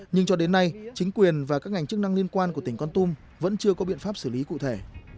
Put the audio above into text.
nhưng cho đến nay chính quyền và các ngành chức năng liên quan của tỉnh con tum vẫn chưa có biện pháp xử lý cụ thể